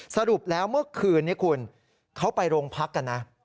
สรุปแล้วเมื่อคืนนี้คุณเขาไปโรงพักกันนะ